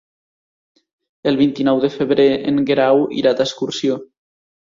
El vint-i-nou de febrer en Guerau irà d'excursió.